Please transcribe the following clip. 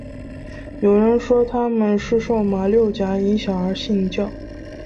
有人说他们是受马六甲影响而信教。